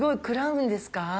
クラウンですか？